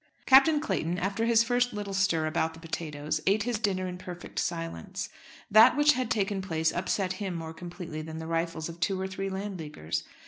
Captain Clayton, after his first little stir about the potatoes, ate his dinner in perfect silence. That which had taken place upset him more completely than the rifles of two or three Landleaguers.